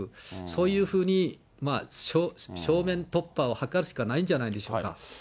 そういうふうに正面突破をはかるしかないんじゃないでしょうか。